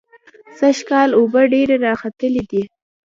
سږکال اوبه ډېرې راخلتلې دي.